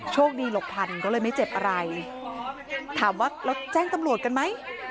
โชคดีหลบทันก็เลยไม่เจ็บอะไรถามว่าแล้วแจ้งตำรวจกันไหม